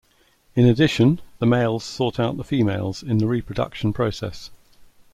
In addition, the males sought out the females in the reproduction process.